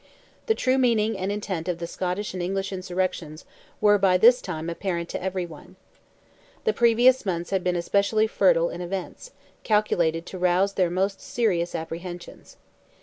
The true meaning and intent of the Scottish and English insurrections were by this time apparent to every one. The previous months had been especially fertile in events, calculated to rouse their most serious apprehensions.